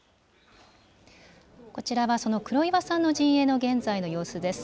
こちらは、その黒岩さんの陣営の現在の様子です。